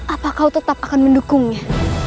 apa kau tetap akan mendukungnya